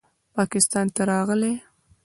پاکستان ته راغے